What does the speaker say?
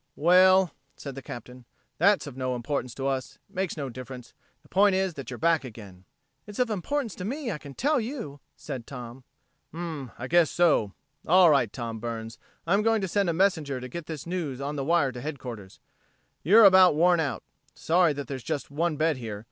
"Well," said the Captain, "that's of no importance to us. It makes no difference. The point is that you're back again." "It's of importance to me, I can tell you," said Tom. "Hm m m, I guess so. All right, Tom Burns, I'm going to send a messenger to get this news on the wire to headquarters. You're about worn out. Sorry that there's just one bed here.